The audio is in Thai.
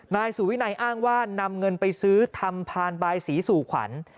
นายสุวินัยอ้างว่านำเงินไปซื้อทำพานบายสีสู่ขวัญ